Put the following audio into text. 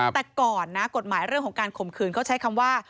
แต่ก่อนนะกฎหมายเรื่องของการข่มขืนเขาใช้คำว่า